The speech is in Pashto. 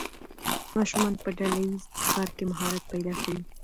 ماشومان په ډله ییز کار کې مهارت پیدا کوي.